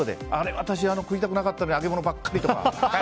私、あれ食いたくなかったのに揚げ物ばっかりとか。